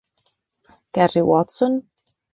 Carrie Watson